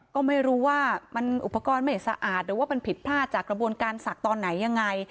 ก็ไม่รู้ว่ามันอุปกรณ์ไม่สะอาดหรือว่ามันผิดพลาดจากกระบวนการศักดิ์ตอนไหนยังไง